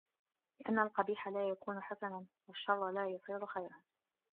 لِأَنَّ الْقَبِيحَ لَا يَكُونُ حَسَنًا وَالشَّرَّ لَا يَصِيرُ خَيْرًا